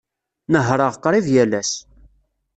Nehhṛeɣ qrib yal ass.